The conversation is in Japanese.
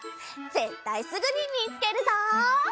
ぜったいすぐにみつけるぞ！